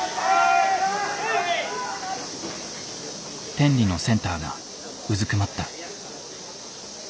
天理のセンターがうずくまった。